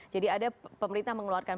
jadi ada pemerintah mengeluarkan